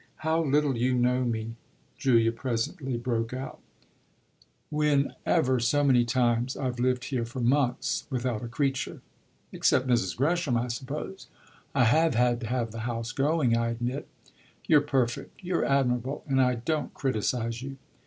"How little you know me," Julia presently broke out, "when, ever so many times, I've lived here for months without a creature!" "Except Mrs. Gresham, I suppose." "I have had to have the house going, I admit." "You're perfect, you're admirable, and I don't criticise you."